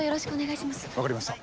分かりました。